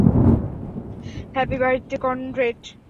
Happy birthday, Conrad.